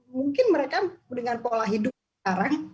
mungkin mereka dengan pola hidup sekarang